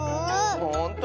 ほんとう？